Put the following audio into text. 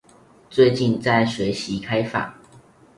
最近在學習開放